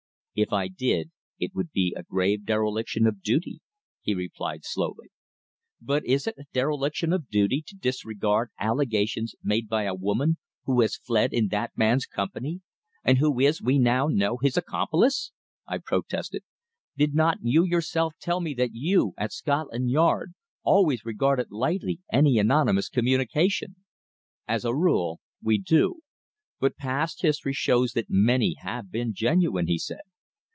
"If I did it would be a grave dereliction of duty," he replied slowly. "But is it a dereliction of duty to disregard allegations made by a woman who has fled in that man's company, and who is, we now know, his accomplice?" I protested. "Did not you yourself tell me that you, at Scotland Yard, always regarded lightly any anonymous communication?" "As a rule we do. But past history shows that many have been genuine," he said.